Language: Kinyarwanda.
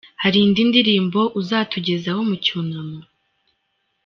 Hari indi ndirimbo uzatugezaho mu cyunamo ?.